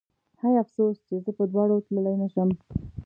هی افسوس چې زه په دواړو تللی نه شم